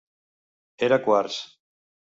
Era quars.